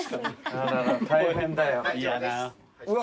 あらら大変だよ。